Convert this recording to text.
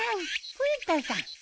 冬田さん。